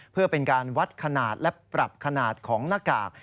เพื่อเป็นการวัดขนาดและปรับขนาดของหน้ากาก